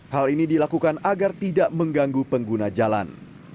hal ini dilakukan agar tidak mengganggu pengguna jalan